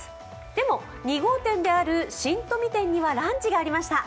でも２号店である新富店にはランチがありました。